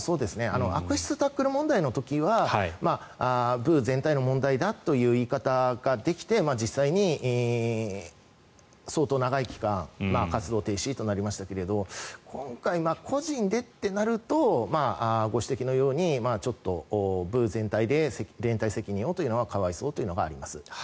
悪質タックル問題の時は部全体の問題だという言い方ができて実際に、相当長い期間活動停止となりましたが今回、個人でとなるとご指摘のようにちょっと部全体で連帯責任をというのは可哀想というのがあります。